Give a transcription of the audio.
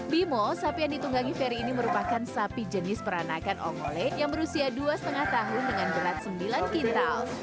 bimo sapi yang ditunggangi ferry ini merupakan sapi jenis peranakan ongole yang berusia dua lima tahun dengan berat sembilan kintal